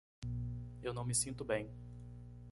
Eu não me sinto bem.